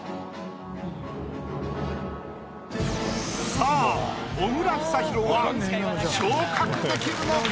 さあ小倉久寛は昇格できるのか？